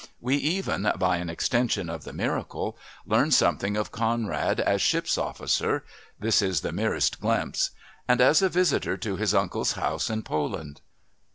We even, by an extension of the miracle, learn something of Conrad as ship's officer (this the merest glimpse) and as a visitor to his uncle's house in Poland.